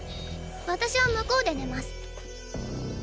私は向こうで寝ます。